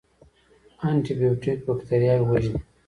انټي بیوټیک بکتریاوې وژني